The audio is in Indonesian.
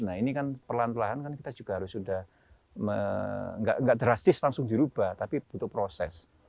nah ini kan perlahan perlahan kan kita juga harus sudah tidak drastis langsung dirubah tapi butuh proses